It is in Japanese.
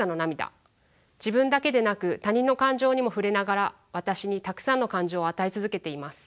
自分だけでなく他人の感情にも触れながら私にたくさんの感情を与え続けています。